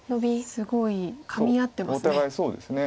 すごいかみ合ってますね。